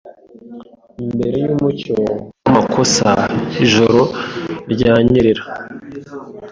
Mbere yumucyo wamakosa ijoro ryanyerera